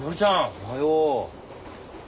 おはよう。